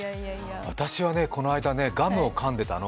私はね、この間ねガムをかんでたの。